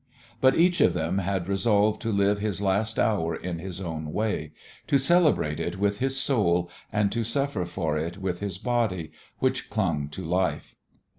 But each of them had resolved to live his last hour in his own way, to celebrate it with his soul and to suffer for it with his body, which clung to life.